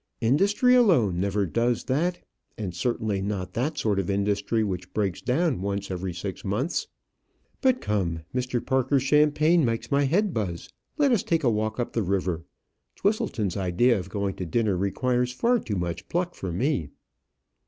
Industry alone never does that, and certainly not that sort of industry which breaks down once in every six months. But come, Mr. Parker's champagne makes my head buzz: let us take a walk up the river; Twisleton's idea of going to dinner requires far too much pluck for me."